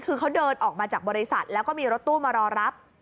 คือเขาเดินออกมาจากบริษัทแล้วก็มีรถตู้มารอรับ